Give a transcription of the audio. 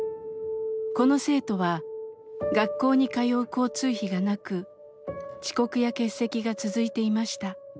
この生徒は学校に通う交通費がなく遅刻や欠席が続いていました。